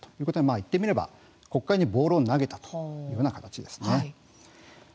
言ってみれば国会にボールを投げたという形です。